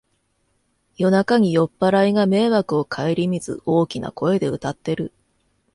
夜中に酔っぱらいが迷惑をかえりみず大きな声で歌ってる